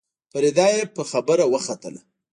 فريده يې په خبره وختله.